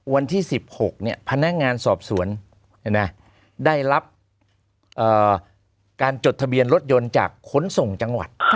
วันที่๑๖พนักงานสอบสวนได้รับการจดทะเบียนรถยนต์จากขนส่งจังหวัด